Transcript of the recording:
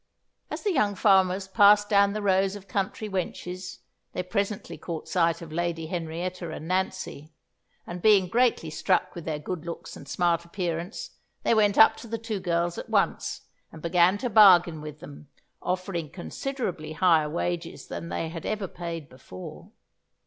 As the young farmers passed down the rows of country wenches, they presently caught sight of Lady Henrietta and Nancy; and being greatly struck with their good looks and smart appearance, they went up to the two girls at once, and began to bargain with them, offering considerably higher wages than they had ever paid before.